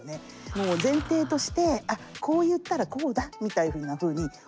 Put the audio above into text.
もう前提として「あっこう言ったらこうだ」みたいなふうに思っちゃう。